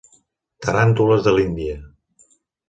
Taràntules de l'Índia.